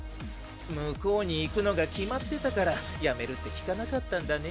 向こうに行くのが決まってたから辞めるって聞かなかったんだね。